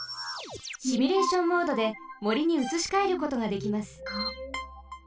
シミュレーションモードでもりにうつしかえることができます。